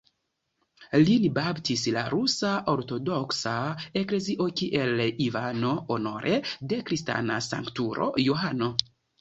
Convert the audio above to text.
Lin baptis la Rusa Ortodoksa Eklezio kiel Ivano honore de kristana sanktulo "Johano".